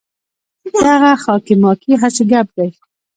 دغه خاکې ماکې هسې ګپ دی.